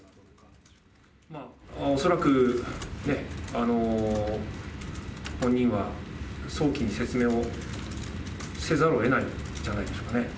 恐らくね、本人は早期に説明をせざるをえないんじゃないでしょうかね。